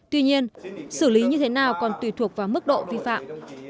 tuy nhiên xử lý như thế nào còn tùy thuộc vào mức độ vi phạm